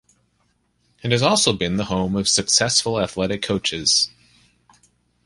It has also been the home of successful athletic coaches.